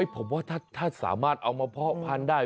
ผมว่าถ้าสามารถเอามาเพาะพันธุ์ได้